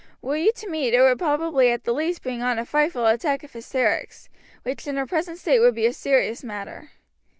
Were you to meet, it would probably at the least bring on a frightful attack of hysterics, which in her present state might be a serious matter.